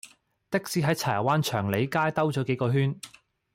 的士喺柴灣祥利街兜左幾個圈